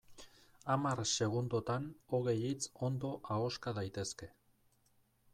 Hamar segundotan hogei hitz ondo ahoska daitezke.